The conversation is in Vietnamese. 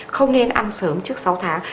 không nên ăn sớm trước sáu tháng